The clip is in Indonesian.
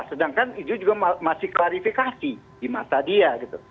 sedangkan itu juga masih klarifikasi di masa dia gitu